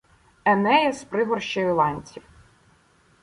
Енея з пригорщею ланців